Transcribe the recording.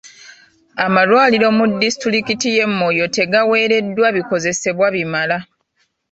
Amalwaliro mu disitulikiti y'e Moyo tegaweereddwa bikozesebwa bimala